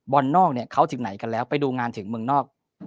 นอกเนี่ยเขาถึงไหนกันแล้วไปดูงานถึงเมืองนอก